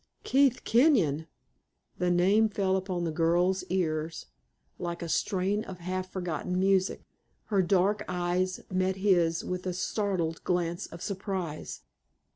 Keith Kenyon! The name fell upon the girl's ears like a strain of half forgotten music. Her great dark eyes met his with a startled glance of surprise.